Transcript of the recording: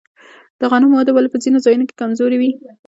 د غنمو وده ولې په ځینو ځایونو کې کمزورې وي؟